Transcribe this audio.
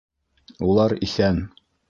Улар иҫән.